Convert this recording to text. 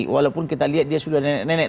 walaupun kita lihat dia sudah nenek nenek